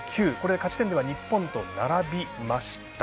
勝ち点では日本と並びました。